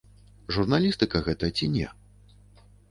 Журналістыка гэта ці не?